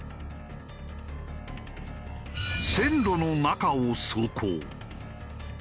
線路の中を走行。